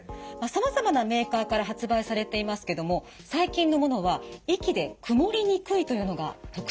さまざまなメーカーから発売されていますけども最近のものは息でくもりにくいというのが特徴です。